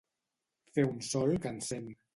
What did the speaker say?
Fer un sol que encén.